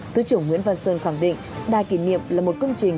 thứ trưởng nguyễn văn sơn khẳng định đài kỷ niệm là một công trình